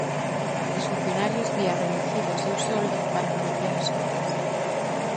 Os funcionarios vía reducido o seu soldo para financiar as obras.